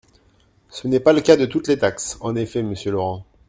Ce n’est pas le cas de toutes les taxes ! En effet, monsieur Laurent.